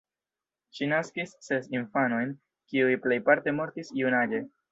Ŝi naskis ses infanojn, kiuj plejparte mortis junaĝe.